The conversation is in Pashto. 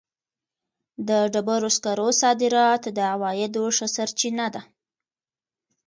د ډبرو سکرو صادرات د عوایدو ښه سرچینه ده.